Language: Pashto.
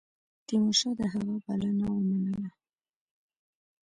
تیمورشاه د هغه بلنه ومنله.